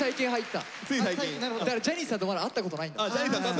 だからジャニーさんとまだ会ったことないんだ。